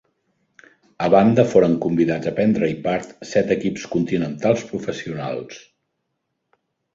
A banda foren convidats a prendre-hi part set equips continentals professionals.